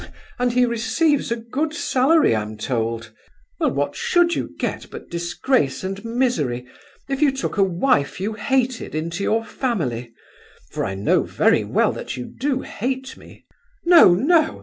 "H'm! and he receives a good salary, I'm told. Well, what should you get but disgrace and misery if you took a wife you hated into your family (for I know very well that you do hate me)? No, no!